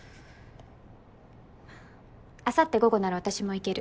あさって午後なら私も行ける。